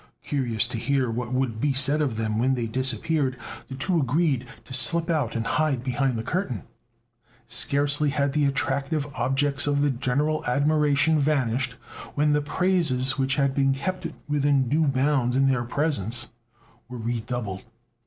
Curious to hear what would be said of them when they disappeared, the two agreed to slip out and hide behind the curtain. Scarcely had the attractive objects of the general admiration vanished when the praises which had been kept within due bounds in their presence, were redoubled.